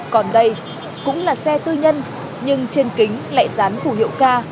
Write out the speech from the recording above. còn đây cũng là xe tư nhân nhưng trên kính lại dán phủ hiệu ca